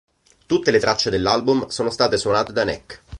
Tutte le tracce dell'album sono state suonate da Nek.